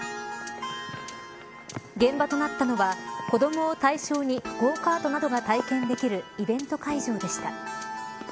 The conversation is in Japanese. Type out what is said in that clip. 現場となったのは子どもを対象にゴーカートなどが体験できるイベント会場でした。